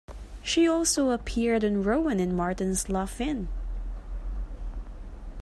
She also appeared on Rowan and Martin's Laugh-In.